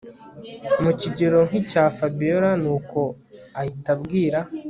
mukigero nkicya Fabiora nuko ahita abwira